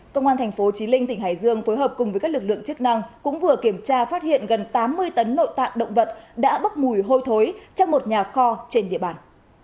công an thành phố trí linh tỉnh hải dương phối hợp cùng với các lực lượng chức năng cũng vừa kiểm tra phát hiện gần tám mươi tấn nội tạng động vật đã bốc mùi hôi thối trong một nhà kho trên địa bàn